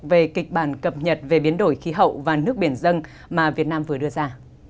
về kịch bản cập nhật về biến đổi khí hậu và nước biển dân mà việt nam vừa đưa ra